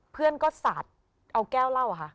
เพื่อนก็สาดเอาแก้วเหล้าอะค่ะ